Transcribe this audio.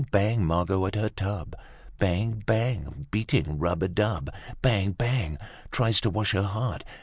Bang! Margot at her tub. Bang! Bang! Beating rub a dub. Bang! Bang! Tries to wash her heart.